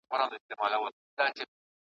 دریم لوری یې د ژوند نه دی لیدلی `